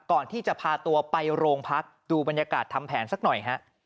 ก่อนที่จะพาตัวไปโรงพักดูบรรยากาศทำแผนสักหน่อยฮะ